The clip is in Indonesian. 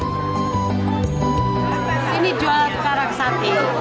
di sini jual karak sate